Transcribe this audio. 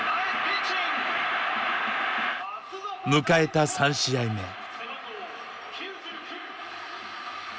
迎えた３試合目。